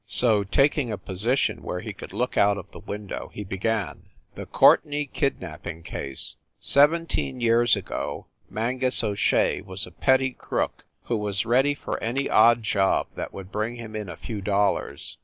So, taking a position where he could look out of the window, he began. THE COURTENAY KIDNAPING CASE Seventeen years ago, Mangus O Shea was a petty crook who was ready for any odd job that would bring him in a few dollars.